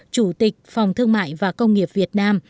chủ tịch phòng thương mại và công nghiệp việt nam